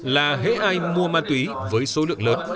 là hế ai mua ma túy với số lượng lớn